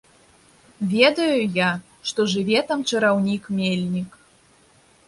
Ведаю я, што жыве там чараўнік-мельнік.